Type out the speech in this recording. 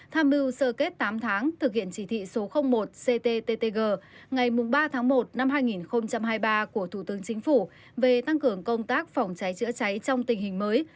tham mưu sơ kết tám tháng thực hiện chỉ thị số một cttg ngày ba tháng một năm hai nghìn hai mươi ba của thủ tướng chính phủ về tăng cường công tác phòng cháy chữa cháy trong tình hình mới